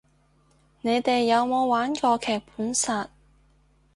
你哋有冇玩過劇本殺